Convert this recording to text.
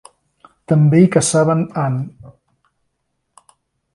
També hi caçaven ant.